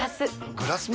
グラスも？